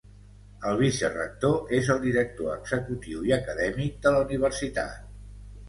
El vicerector és el director executiu i acadèmic de la universitat.